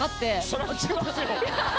それは聴きますよ。